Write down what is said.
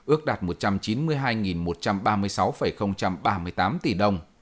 ước đạt một trăm chín mươi hai một trăm ba mươi sáu ba mươi tám tỷ đồng